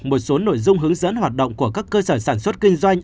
một số nội dung hướng dẫn hoạt động của các cơ sở sản xuất kinh doanh